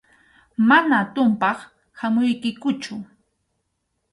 Manam tumpaq hamuykikuchu.